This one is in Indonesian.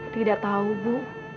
tidak tahu bu